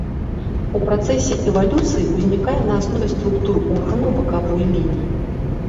У працэсе эвалюцыі ўзнікае на аснове структур органаў бакавой лініі.